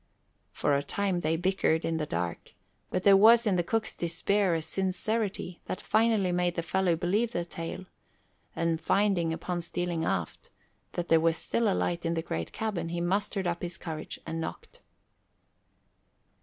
For a time they bickered in the dark, but there was in the cook's despair a sincerity that finally made the fellow believe the tale; and finding, upon stealing aft, that there was still a light in the great cabin, he mustered up his courage and knocked.